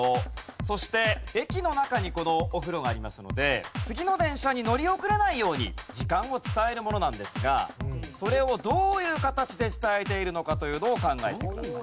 そして駅の中にこのお風呂がありますので次の電車に乗り遅れないように時間を伝えるものなんですがそれをどういう形で伝えているのかというのを考えてください。